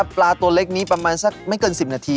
แบ่งปันก็ได้บ้าง